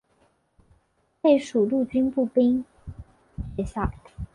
配属陆军步兵学校。